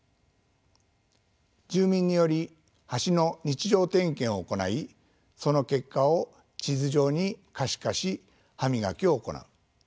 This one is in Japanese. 住民により橋の日常点検を行いその結果を地図上に可視化し歯磨きを行う。